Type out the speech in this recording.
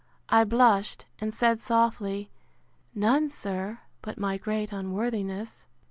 I blushed, and said softly, None, sir, but my great unworthiness.